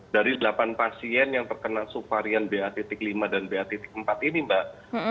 dari delapan pasien yang terkena subvarian ba lima dan ba empat ini mbak